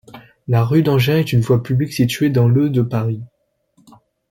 La rue d’Enghien est une voie publique située dans le de Paris.